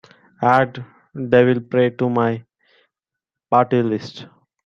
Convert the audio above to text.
add Devil Pray to my party list